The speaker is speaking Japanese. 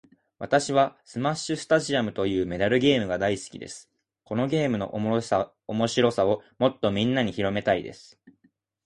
私はスマッシュスタジアムというメダルゲームが大好きです。このゲームの面白さをもっとみんなに広めたいです。